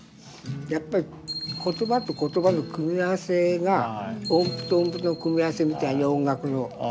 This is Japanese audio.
やっぱり言葉と言葉の組み合わせが音符と音符の組み合わせみたいに音楽の。